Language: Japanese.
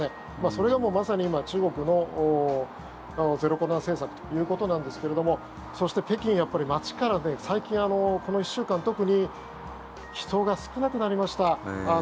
それがもうまさに今、中国のゼロコロナ政策ということなんですけれどもそして北京、やっぱり街から最近この１週間特に人が少なくなりました。